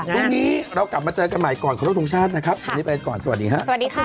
พรุ่งนี้เรากลับมาเจอกันใหม่ก่อนขอโทษทุกชาตินะครับวันนี้ไปก่อนสวัสดีค่ะ